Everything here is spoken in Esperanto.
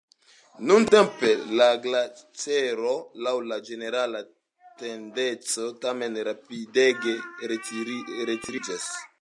Nuntempe la glaĉero laŭ la ĝenerala tendenco tamen rapidege retiriĝas.